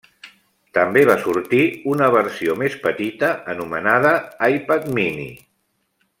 També va sortir una versió més petita anomenada iPad Mini.